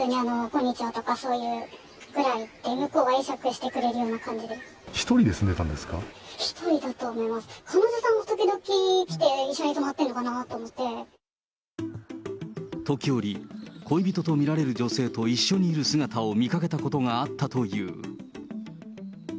彼女さんが時々来て、時折、恋人と見られる女性と一緒にいる姿を見かけたことがあったという。